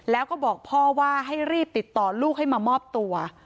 แล้วก็บอกพ่อว่าให้รีบติดต่อลูกให้มามอบตัว